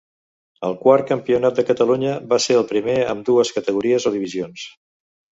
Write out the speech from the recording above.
El quart Campionat de Catalunya va ser el primer amb dues categories o divisions.